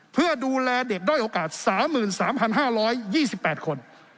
เพื่อดูแลเด็กด้อยโอกาส๓๓๕๒๘คน